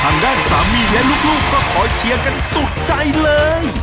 ทางด้านสามีและลูกก็ขอเชียร์กันสุดใจเลย